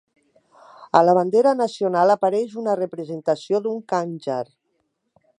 A la bandera nacional apareix una representació d'un khanjar.